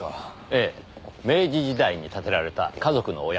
ええ明治時代に建てられた華族のお屋敷です。